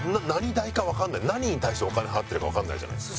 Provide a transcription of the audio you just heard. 何に対してお金払ってるかわかんないじゃないですか。